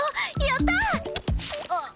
やった！あっ。